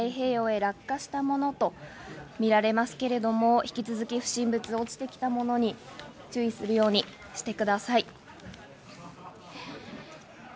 すでに北朝鮮が発射したミサイルは太平洋へ落下したものと見られますけれども、引き続き不審物や落ちてきたものに注意するようにしてください。